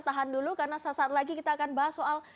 tahan dulu karena sesaat lagi kita akan bahas soal